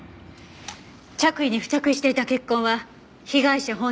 着衣に付着していた血痕は被害者本人のものだけでした。